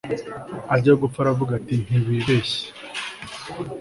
ajya gupfa aravuga ati ntiwibeshye